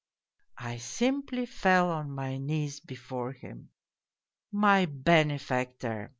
" I simply fell on my knees before him. ' My benefactor